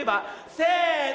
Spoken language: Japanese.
せの。